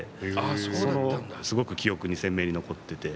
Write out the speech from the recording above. すごく記憶に鮮明に残ってて。